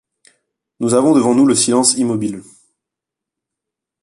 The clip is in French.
Nous avons devant nous le silence immobile.